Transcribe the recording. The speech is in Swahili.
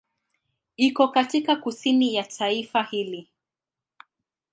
Iko katika kusini ya taifa hili.